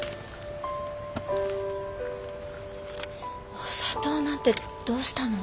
お砂糖なんてどうしたの？